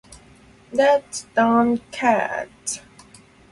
That Darn Cat!